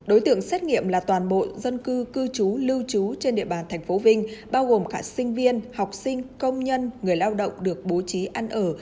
đối tượng xét nghiệm là toàn bộ dân cư cư trú lưu trú trên địa bàn tp vinh bao gồm cả sinh viên học sinh công nhân người lao động được bố trí ăn ở